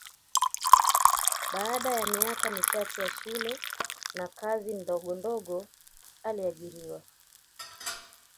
Baada ya miaka michache ya shule na kazi ndogondogo aliajiriwa